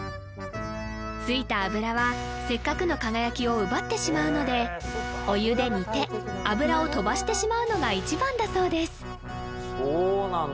ついた油はせっかくの輝きを奪ってしまうのでお湯で煮て油を飛ばしてしまうのが一番だそうです